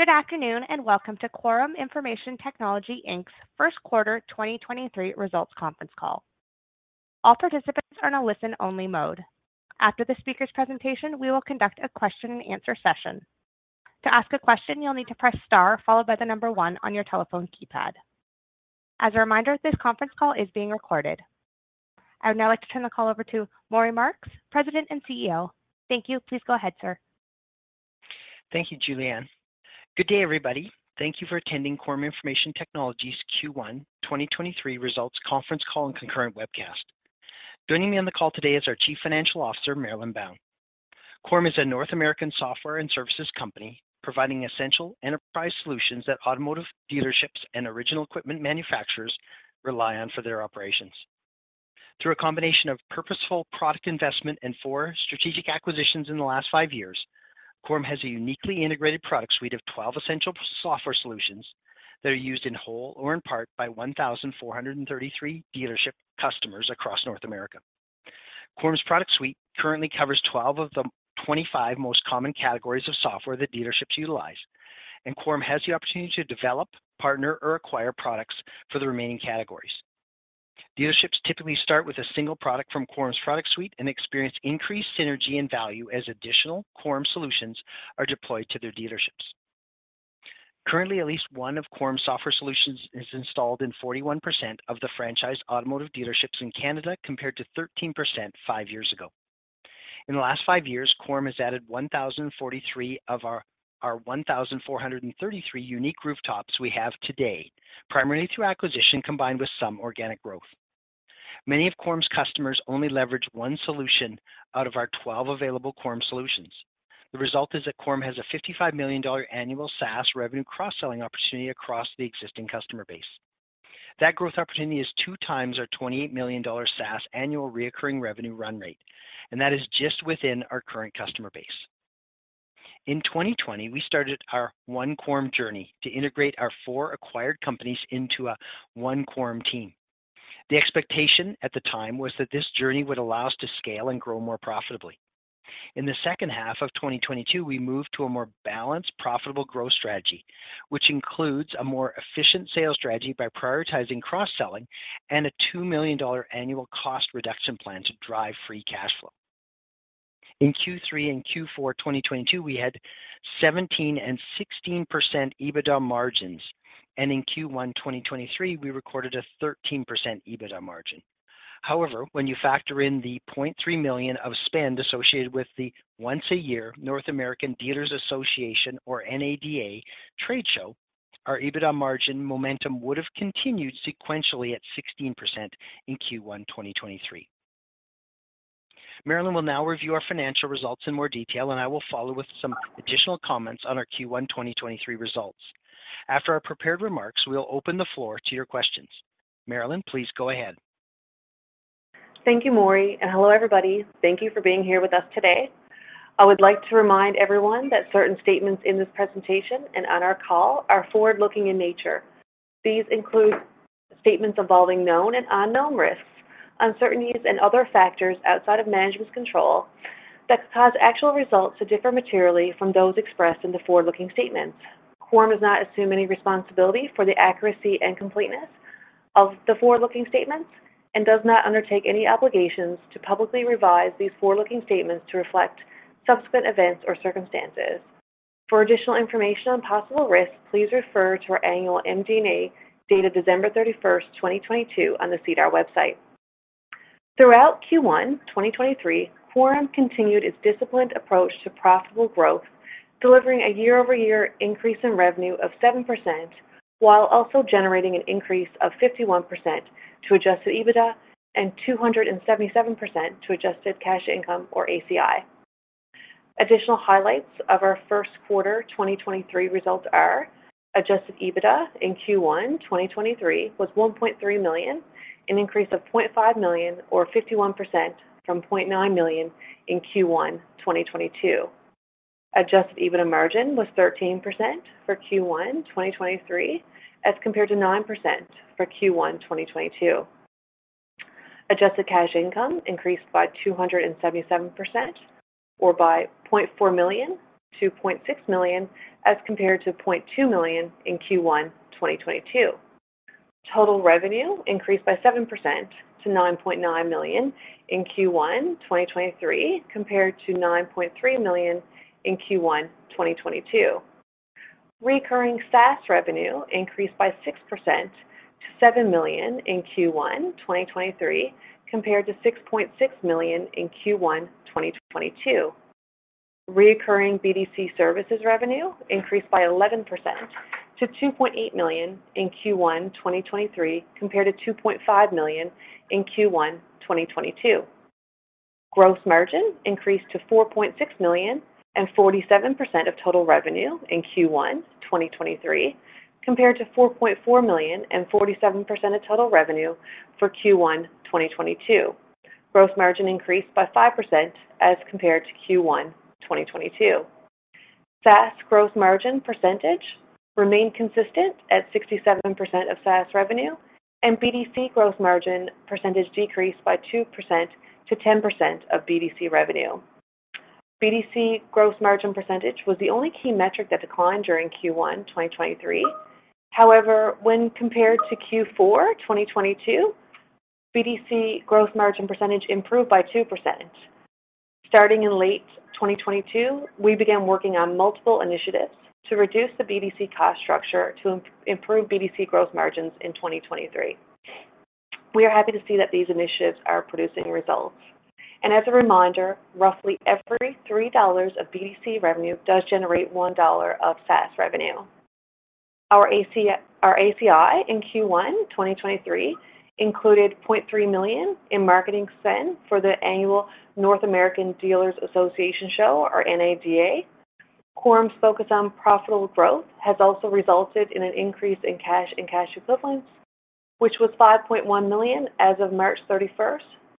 Good afternoon, and welcome to Quorum Information Technologies Inc.'s first quarter 2023 results conference call. All participants are in a listen-only mode. After the speaker's presentation, we will conduct a question and answer session. To ask a question, you'll need to press star followed by one on your telephone keypad. As a reminder, this conference call is being recorded. I would now like to turn the call over to Maury Marks, President and CEO. Thank you. Please go ahead, sir. Thank you, Julianne. Good day, everybody. Thank you for attending Quorum Information Technologies' Q1 2023 results conference call and concurrent webcast. Joining me on the call today is our Chief Financial Officer, Marilyn Bown. Quorum is a North American software and services company, providing essential enterprise solutions that automotive dealerships and original equipment manufacturers rely on for their operations. Through a combination of purposeful product investment and four strategic acquisitions in the last five years, Quorum has a uniquely integrated product suite of 12 essential software solutions that are used in whole or in part by 1,433 dealership customers across North America. Quorum's product suite currently covers 12 of the 25 most common categories of software that dealerships utilize. Quorum has the opportunity to develop, partner, or acquire products for the remaining categories. Dealerships typically start with a single product from Quorum's product suite and experience increased synergy and value as additional Quorum solutions are deployed to their dealerships. Currently, at least one of Quorum's software solutions is installed in 41% of the franchise automotive dealerships in Canada, compared to 13% five years ago. In the last five years, Quorum has added 1,043 of our 1,433 unique rooftops we have today, primarily through acquisition, combined with some organic growth. Many of Quorum's customers only leverage one solution out of our 12 available Quorum solutions. The result is that Quorum has a 55 million dollar annual SaaS revenue cross-selling opportunity across the existing customer base. That growth opportunity is two times our 28 million dollars SaaS annual reoccurring revenue run rate, and that is just within our current customer base. In 2020, we started our One Quorum journey to integrate our four acquired companies into a One Quorum team. The expectation at the time was that this journey would allow us to scale and grow more profitably. In the second half of 2022, we moved to a more balanced, profitable growth strategy, which includes a more efficient sales strategy by prioritizing cross-selling and a 2 million dollar annual cost reduction plan to drive free cash flow. In Q3 and Q4, 2022, we had 17% and 16% EBITDA margins, and in Q1, 2023, we recorded a 13% EBITDA margin. However, when you factor in the 0.3 million of spend associated with the once-a-year National Automobile Dealers Association or NADA trade show, our EBITDA margin momentum would have continued sequentially at 16% in Q1, 2023. Marilyn will now review our financial results in more detail. I will follow with some additional comments on our Q1 2023 results. After our prepared remarks, we'll open the floor to your questions. Marilyn, please go ahead. Thank you, Maury, and hello, everybody. Thank you for being here with us today. I would like to remind everyone that certain statements in this presentation and on our call are forward-looking in nature. These include statements involving known and unknown risks, uncertainties, and other factors outside of management's control, that could cause actual results to differ materially from those expressed in the forward-looking statements. Quorum does not assume any responsibility for the accuracy and completeness of the forward-looking statements and does not undertake any obligations to publicly revise these forward-looking statements to reflect subsequent events or circumstances. For additional information on possible risks, please refer to our annual MD&A, dated December 31st, 2022, on the SEDAR website. Throughout Q1, 2023, Quorum continued its disciplined approach to profitable growth, delivering a year-over-year increase in revenue of 7%, while also generating an increase of 51% to adjusted EBITDA and 277% to adjusted cash income, or ACI. Additional highlights of our first quarter 2023 results are: Adjusted EBITDA in Q1, 2023, was 1.3 million, an increase of 0.5 million or 51% from 0.9 million in Q1, 2022. Adjusted EBITDA margin was 13% for Q1, 2023, as compared to 9% for Q1, 2022. Adjusted cash income increased by 277% or by 0.4 million to 0.6 million, as compared to 0.2 million in Q1, 2022. Total revenue increased by 7% to 9.9 million in Q1 2023, compared to 9.3 million in Q1 2022. Recurring SaaS revenue increased by 6% to 7 million in Q1 2023, compared to 6.6 million in Q1 2022. Recurring BDC services revenue increased by 11% to 2.8 million in Q1 2023, compared to 2.5 million in Q1 2022. Gross margin increased to 4.6 million and 47% of total revenue in Q1 2023, compared to 4.4 million and 47% of total revenue for Q1 2022. Gross margin increased by 5% as compared to Q1 2022. SaaS growth margin percentage remained consistent at 67% of SaaS revenue, and BDC gross margin percentage decreased by 2% to 10% of BDC revenue. BDC gross margin percentage was the only key metric that declined during Q1 2023. However, when compared to Q4 2022, BDC gross margin percentage improved by 2%. Starting in late 2022, we began working on multiple initiatives to reduce the BDC cost structure to improve BDC gross margins in 2023. We are happy to see that these initiatives are producing results. As a reminder, roughly every 3 dollars of BDC revenue does generate 1 dollar of SaaS revenue. Our ACI in Q1 2023 included 0.3 million in marketing spend for the annual National Automobile Dealers Association show or NADA. Quorum's focus on profitable growth has also resulted in an increase in cash and cash equivalents, which was 5.1 million as of March 31st,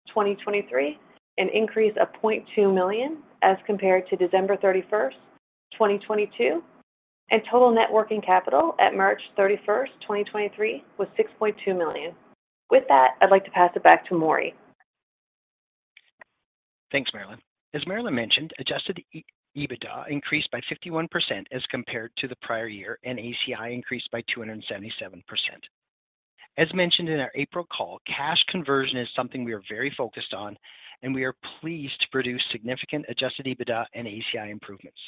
2023, an increase of 0.2 million as compared to December 31st, 2022. Total net working capital at March 31st, 2023, was CAD 6.2 million. With that, I'd like to pass it back to Maury. Thanks, Marilyn. As Marilyn mentioned, Adjusted EBITDA increased by 51% as compared to the prior year. ACI increased by 277%. As mentioned in our April call, cash conversion is something we are very focused on. We are pleased to produce significant Adjusted EBITDA and ACI improvements.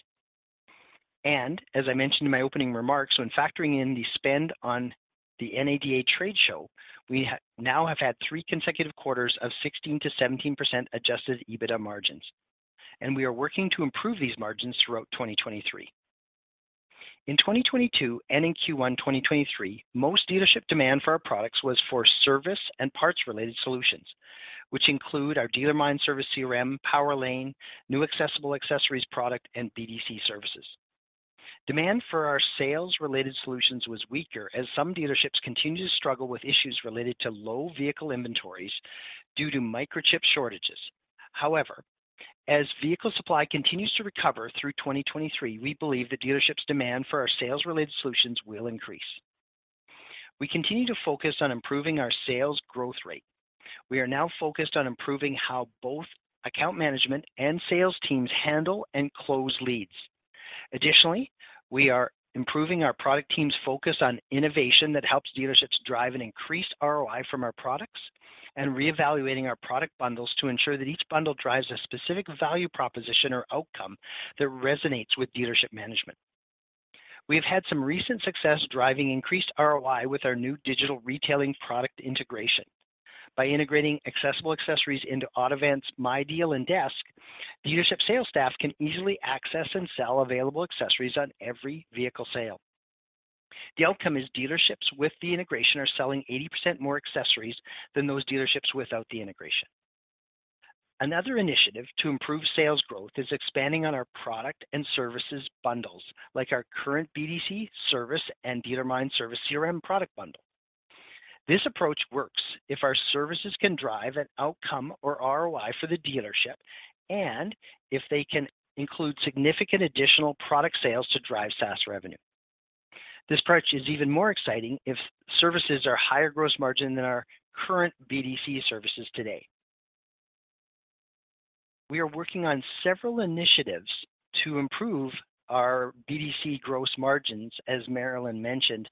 As I mentioned in my opening remarks, when factoring in the spend on the NADA trade show, we now have had three consecutive quarters of 16%-17% Adjusted EBITDA margins. We are working to improve these margins throughout 2023. In 2022 and in Q1 2023, most dealership demand for our products was for service and parts-related solutions, which include our DealerMine Service CRM, PowerLane, new Accessible Accessories product, and BDC services. Demand for our sales-related solutions was weaker as some dealerships continue to struggle with issues related to low vehicle inventories due to microchip shortages. As vehicle supply continues to recover through 2023, we believe the dealerships' demand for our sales-related solutions will increase. We continue to focus on improving our sales growth rate. We are now focused on improving how both account management and sales teams handle and close leads. We are improving our product team's focus on innovation that helps dealerships drive and increase ROI from our products, and reevaluating our product bundles to ensure that each bundle drives a specific value proposition or outcome that resonates with dealership management. We have had some recent success driving increased ROI with our new digital retailing product integration. By integrating Accessible Accessories into Autovance's MyDeal and Desk, the dealership sales staff can easily access and sell available accessories on every vehicle sale. The outcome is dealerships with the integration are selling 80% more accessories than those dealerships without the integration. Another initiative to improve sales growth is expanding on our product and services bundles, like our current BDC service and DealerMine Service CRM product bundle. This approach works if our services can drive an outcome or ROI for the dealership, and if they can include significant additional product sales to drive SaaS revenue. This approach is even more exciting if services are higher gross margin than our current BDC services today. We are working on several initiatives to improve our BDC gross margins, as Marilyn mentioned,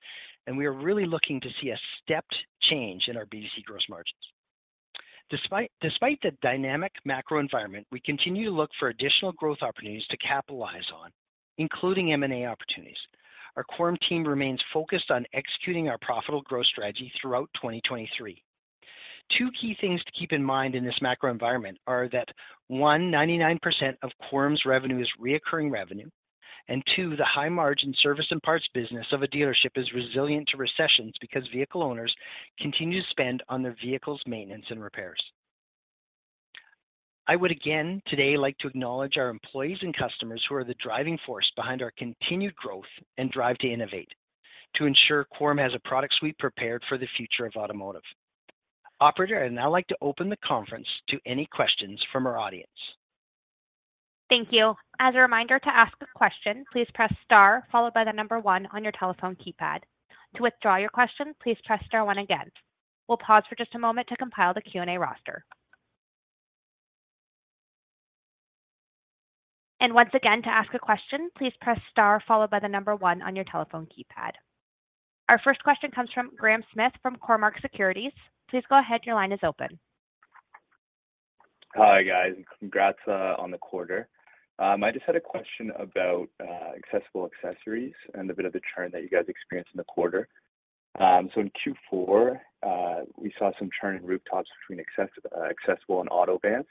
and we are really looking to see a step change in our BDC gross margins. Despite the dynamic macro environment, we continue to look for additional growth opportunities to capitalize on, including M&A opportunities. Our Quorum team remains focused on executing our profitable growth strategy throughout 2023. Two key things to keep in mind in this macro environment are that, one, 99% of Quorum's revenue is reoccurring revenue, and two, the high-margin service and parts business of a dealership is resilient to recessions because vehicle owners continue to spend on their vehicles' maintenance and repairs. I would again today like to acknowledge our employees and customers, who are the driving force behind our continued growth and drive to innovate, to ensure Quorum has a product suite prepared for the future of automotive. Operator, I'd now like to open the conference to any questions from our audience. Thank you. As a reminder to ask a question, please press star followed by one on your telephone keypad. To withdraw your question, please press star one again. We'll pause for just a moment to compile the Q&A roster. Once again, to ask a question, please press star followed by one on your telephone keypad. Our first question comes from Graham Smith from Cormark Securities. Please go ahead. Your line is open. Hi, guys, and congrats on the quarter. I just had a question about Accessible Accessories and a bit of the churn that you guys experienced in the quarter. In Q4, we saw some churn in rooftops between Accessible and Autovance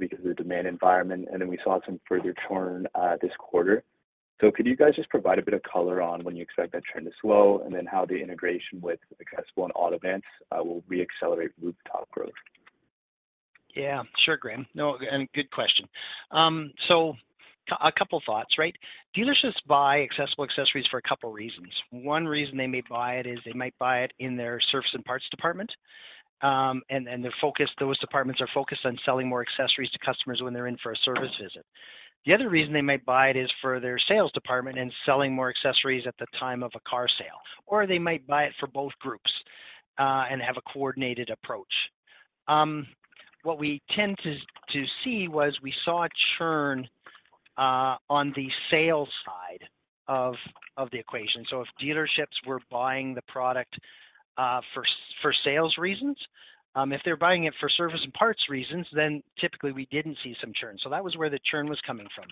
because of the demand environment, and then we saw some further churn this quarter. Could you guys just provide a bit of color on when you expect that trend to slow, and then how the integration with Accessible and Autovance will reaccelerate rooftop growth? Yeah, sure, Graham. No, good question. A couple thoughts, right? Dealerships buy Accessible Accessories for a couple reasons. One reason they may buy it is they might buy it in their service and parts department. The focus, those departments are focused on selling more accessories to customers when they're in for a service visit. The other reason they might buy it is for their sales department and selling more accessories at the time of a car sale, or they might buy it for both groups and have a coordinated approach. What we tend to see was we saw a churn on the sales side of the equation. If dealerships were buying the product for sales reasons, if they're buying it for service and parts reasons, then typically we didn't see some churn. That was where the churn was coming from.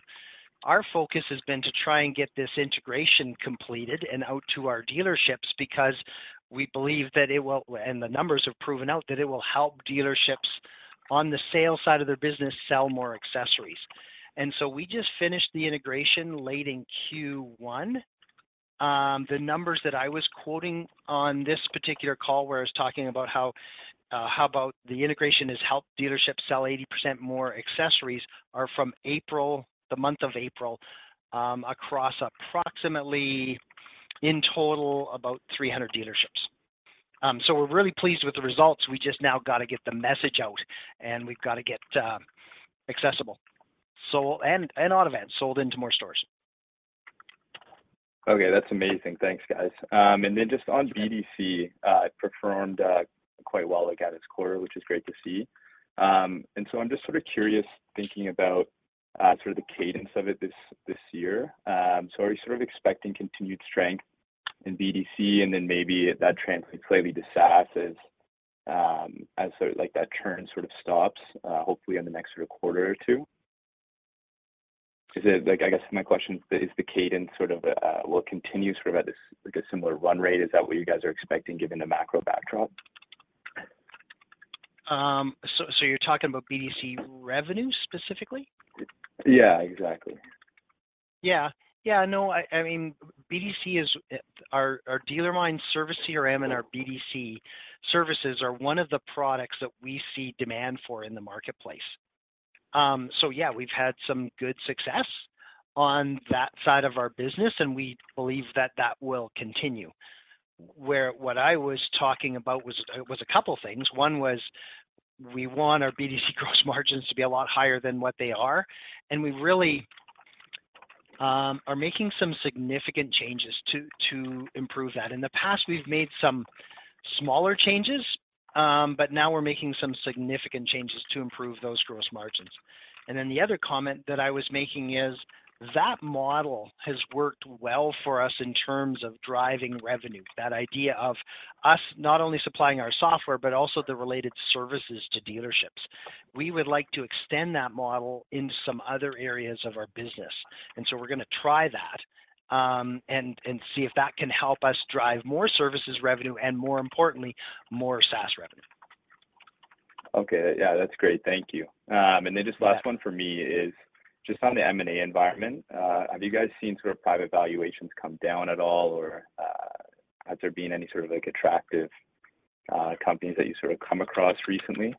Our focus has been to try and get this integration completed and out to our dealerships, because we believe that it will and the numbers have proven out, that it will help dealerships on the sales side of their business sell more accessories. We just finished the integration late in Q1. The numbers that I was quoting on this particular call, where I was talking about how the integration has helped dealerships sell 80% more accessories, are from April, the month of April, across approximately, in total, about 300 dealerships. We're really pleased with the results. We just now gotta get the message out, and we've gotta get accessible. Autovance sold into more stores. Okay, that's amazing. Thanks, guys. Just on BDC, it performed quite well, like, at its quarter, which is great to see. I'm just sort of curious, thinking about sort of the cadence of it this year. Are you sort of expecting continued strength in BDC, and then maybe that translates clearly to SaaS as sort of like that churn sort of stops, hopefully in the next quarter or two? Because, like, I guess my question is the cadence sort of, will it continue sort of at this, like, a similar run rate? Is that what you guys are expecting, given the macro backdrop? You're talking about BDC revenue specifically? Yeah, exactly. Yeah. Yeah, no, I mean, BDC is our DealerMine Service CRM and our BDC services are one of the products that we see demand for in the marketplace. Yeah, we've had some good success on that side of our business, and we believe that that will continue. Where what I was talking about was a couple things. One was we want our BDC gross margins to be a lot higher than what they are, and we really are making some significant changes to improve that. In the past, we've made some smaller changes, but now we're making some significant changes to improve those gross margins. The other comment that I was making is, that model has worked well for us in terms of driving revenue. That idea of us not only supplying our software, but also the related services to dealerships. We would like to extend that model into some other areas of our business, and so we're gonna try that, and see if that can help us drive more services revenue, and more importantly, more SaaS revenue. Okay. Yeah, that's great. Thank you. Just last one for me is just on the M&A environment, have you guys seen sort of private valuations come down at all, or, has there been any sort of, like, attractive, companies that you've sort of come across recently?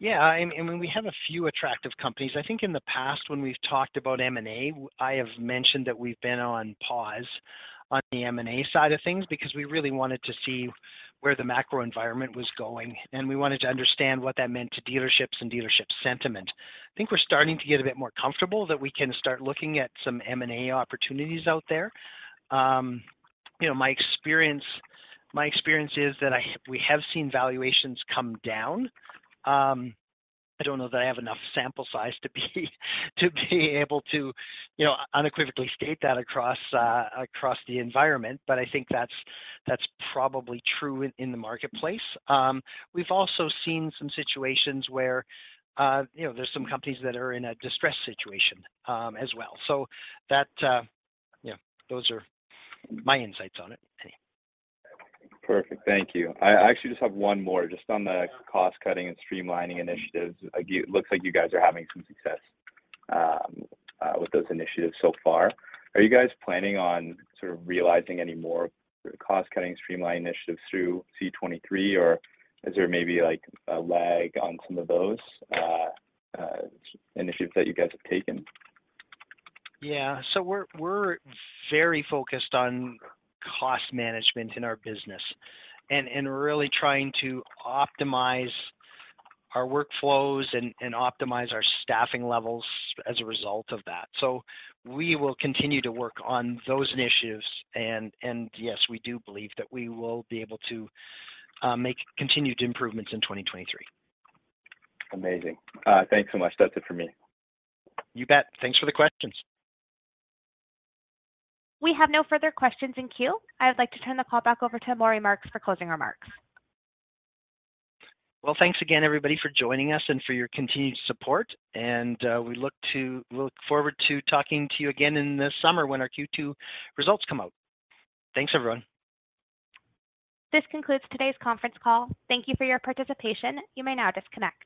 Yeah, I mean, we have a few attractive companies. I think in the past when we've talked about M&A, I have mentioned that we've been on pause on the M&A side of things, because we really wanted to see where the macro environment was going, and we wanted to understand what that meant to dealerships and dealership sentiment. I think we're starting to get a bit more comfortable that we can start looking at some M&A opportunities out there. You know, my experience is that I, we have seen valuations come down. I don't know that I have enough sample size to be able to, you know, unequivocally state that across the environment. I think that's probably true in the marketplace. We've also seen some situations where, you know, there's some companies that are in a distressed situation, as well. Yeah, those are my insights on it. Perfect. Thank you. I actually just have one more just on the cost-cutting and streamlining initiatives. Again, it looks like you guys are having some success with those initiatives so far. Are you guys planning on sort of realizing any more cost-cutting, streamline initiatives through 2023, or is there maybe, like, a lag on some of those initiatives that you guys have taken? Yeah. We're very focused on cost management in our business and really trying to optimize our workflows and optimize our staffing levels as a result of that. We will continue to work on those initiatives, and yes, we do believe that we will be able to make continued improvements in 2023. Amazing. Thanks so much. That's it for me. You bet. Thanks for the questions. We have no further questions in queue. I would like to turn the call back over to Maury Marks for closing remarks. Well, thanks again, everybody, for joining us and for your continued support, and we look forward to talking to you again in the summer when our Q2 results come out. Thanks, everyone. This concludes today's conference call. Thank you for your participation. You may now disconnect.